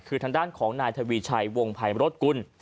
คือทางด้านของนายทวีชัยวงภัยมรสกุล